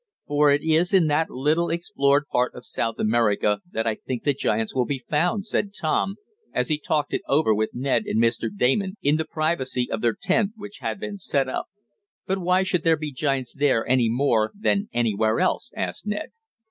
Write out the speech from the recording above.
"For it is in that little explored part of South America that I think the giants will be found." said Tom, as he talked it over with Ned and Mr. Damon in the privacy of their tent, which had been set up. "But why should there be giants there any more than anywhere else?" asked Ned.